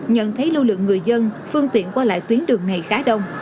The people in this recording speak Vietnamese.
nhận thấy lưu lượng người dân phương tiện qua lại tuyến đường này khá đông